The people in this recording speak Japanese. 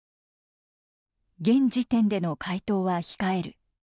「現時点での回答は控える。